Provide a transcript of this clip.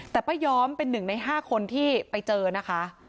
แต่ป้าย้อมเป็นหนึ่งในห้าคนที่ไปเจอนะคะ